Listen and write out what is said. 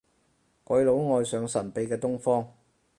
鬼佬愛上神秘嘅東方